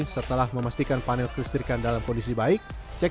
setelah memastikan panel kelistrikan dalam kondisi baik